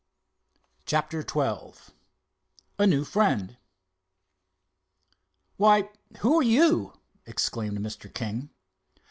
CHAPTER XII A NEW FRIEND "Why, who are you?" exclaimed Mr. King.